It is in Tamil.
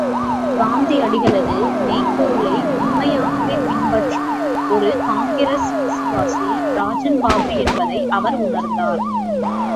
காந்தியடிகளது மெய்ப் பொருளை உண்மையாகவே பின்பற்றும் ஒரு காங்கிரஸ் விசுவாசி ராஜன் பாபு என்பதை அவர் உணர்ந்தார்.